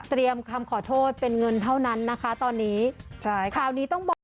เตรียมคำขอโทษเป็นเงินเท่านั้นนะคะตอนนี้ใช่คราวนี้ต้อง